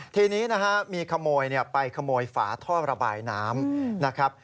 ทีนี้มีขโมยไปขโมยฝาท่อระบายน้ำ